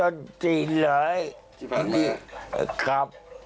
๑๐๐๐๐บาทไหมครับครับโอ้โฮครับ